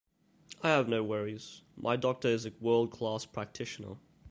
I have no worries - my doctor is a world-class practitioner.